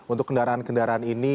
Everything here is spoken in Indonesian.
untuk kendaraan kendaraan ini